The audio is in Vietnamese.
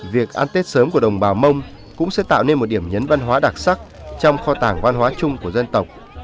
việc ăn tết sớm của đồng bào mông cũng sẽ tạo nên một điểm nhấn văn hóa đặc sắc trong kho tàng văn hóa chung của dân tộc